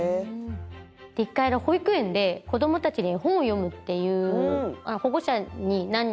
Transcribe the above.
１回保育園で子どもたちに絵本を読むっていう。